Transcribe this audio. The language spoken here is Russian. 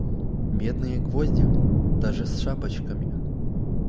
Медные гвозди! даже с шапочками.